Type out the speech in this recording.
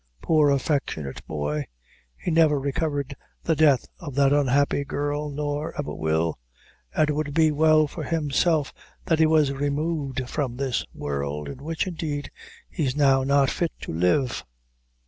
Poor affectionate boy! he never recovered the death of that unhappy girl, nor ever will; an' it would be well for himself that he was removed from this world, in which, indeed, he's now not fit to live."